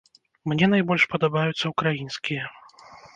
Мне найбольш падабаюцца украінскія.